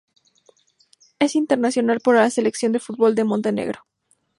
Es internacional por la selección de fútbol de Montenegro.